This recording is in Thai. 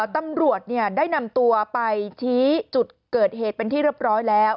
ตำรวจได้นำตัวไปชี้จุดเกิดเหตุเป็นที่เรียบร้อยแล้ว